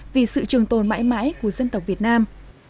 vì sự trường tồn mãi mãi của dân tộc việt nam